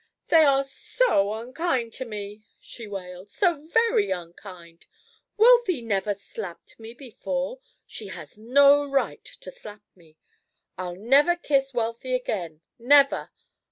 "They are so unkind to me," she wailed, "so very unkind. Wealthy never slapped me before. She has no right to slap me. I'll never kiss Wealthy again, never.